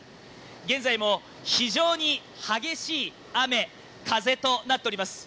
現在も非常に激しい雨風となっております。